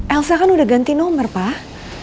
elsa kan udah ganti nomor pak